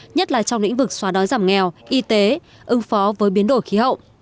nhất là trong lĩnh vực xóa đói giảm nghèo y tế ứng phó với biến đổi khí hậu